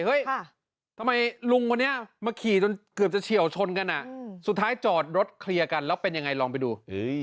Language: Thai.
เฮ้ยทำไมลุงคนนี้มาขี่จนเกือบจะเฉียวชนกันสุดท้ายจอดรถเคลียร์กันแล้วเป็นยังไงลองไปดู